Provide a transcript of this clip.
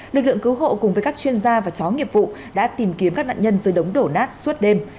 lực lượng cứu hộ cùng với các chuyên gia và chó nghiệp vụ đã tìm kiếm các nạn nhân dưới đống đổ nát suốt đêm